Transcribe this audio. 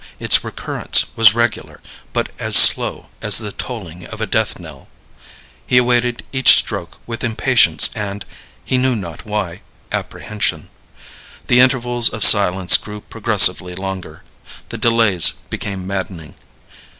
Its recurrence was regular, but as slow as the tolling of a death knell. He awaited each stroke with impatience and he knew not why apprehension. The intervals of silence grew progressively longer; the delays became maddening.